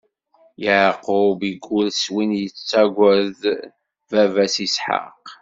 Yeɛqub iggull s win yettagwd baba-s Isḥaq.